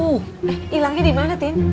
eh ilangnya dimana tin